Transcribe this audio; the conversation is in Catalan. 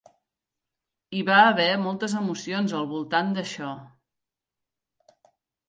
Hi va haver moltes emocions al voltant d'això.